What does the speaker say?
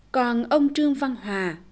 còn ông trương văn hòa